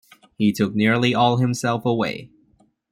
He took nearly all himself away.